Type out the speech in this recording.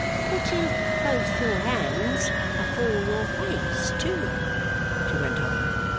'Putting both your hands afore your face too!' she went on.